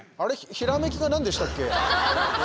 ひらめきがなんでしたっけ？